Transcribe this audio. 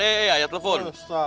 eh ayah telepon